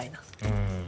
うん。